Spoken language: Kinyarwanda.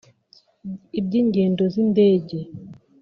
iby’ingendo z’indege